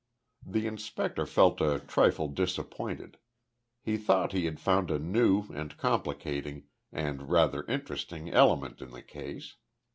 The inspector felt a trifle disappointed. He thought he had found a new, and complicating, and rather interesting element in the case.